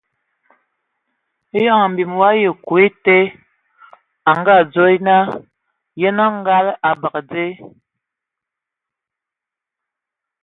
Eyon bii ayi ke kwi a ete, ngə o dzo naa :Yənə, ngɔg e bəgə zəl !